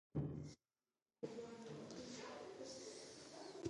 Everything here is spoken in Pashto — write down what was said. په ښوونځي کې مینه زده کوونکي هڅوي.